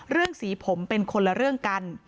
สีผมเป็นคนละเรื่องกัน